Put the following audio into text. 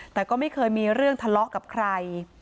แต่ก็ไม่เคยมีเรื่องทะเลาะกับใคร